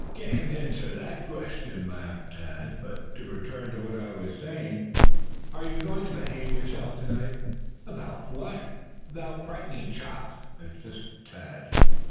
"I can't answer that question," laughed Tad. "But to return to what I was saying, are you going to behave yourself tonight?" "About what?" "About frightening Chops," insisted Tad.